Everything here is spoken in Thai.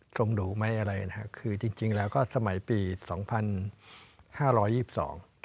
ตรงหนูไหมอะไรนะฮะคือจริงจริงแล้วก็สมัยปีสองพันห้าร้อยยี่สิบสอง